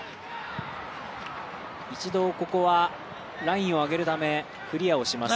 一度、ここはラインを上げるためクリアをします。